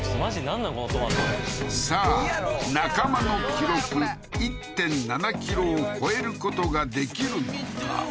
なんこのトマトさあ中間の記録１．７ｋｇを超えることができるのか？